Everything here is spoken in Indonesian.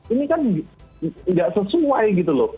ini kan nggak sesuai gitu loh